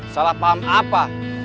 salah paham apa